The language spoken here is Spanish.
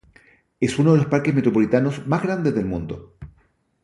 Es uno de los parques metropolitanos más grandes del mundo.